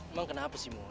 emang kenapa sih mon